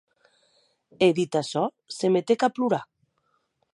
E dit açò, se metec a plorar.